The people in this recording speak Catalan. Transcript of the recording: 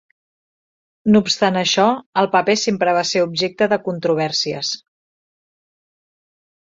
No obstant això, el paper sempre va ser objecte de controvèrsies.